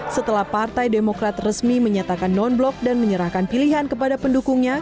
setelah partai demokrat resmi menyatakan non blok dan menyerahkan pilihan kepada pendukungnya